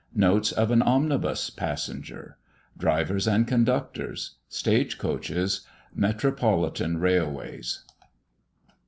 NOTES OF AN OMNIBUS PASSENGER. DRIVERS AND CONDUCTORS. STAGE COACHES. METROPOLITAN RAILWAYS.